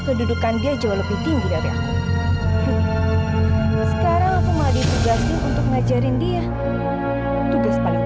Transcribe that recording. kedudukan dia jauh lebih tinggi dari aku sekarang aku menghadir tugasin untuk ngajarin dia tugas paling